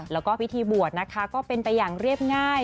แล้วก็พิธีบวชนะคะก็เป็นไปอย่างเรียบง่าย